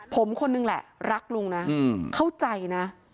ผมคนนึงแหละรักลุงนะเข้าใจนะ